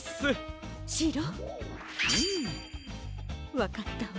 わかったわ。